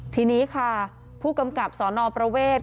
ทีนี้ค่ะผู้กำกับสนประเวท